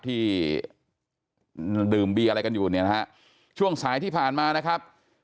ที่ดื่มเบียร์อะไรกันอยู่เนี่ยนะฮะช่วงสายที่ผ่านมานะครับ